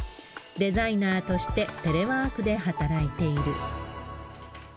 デザイナーとして、テレワークで働いている。